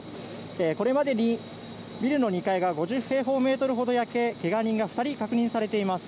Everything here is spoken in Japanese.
これまでにビルの２階が５０平方メートルほど焼け怪我人が２人確認されています。